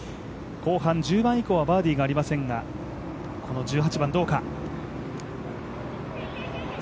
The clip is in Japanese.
後半１０番以降はバーディーがありませんが、この１８番どうか。